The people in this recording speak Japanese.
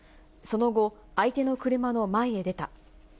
その後、相手の車の前へ出た。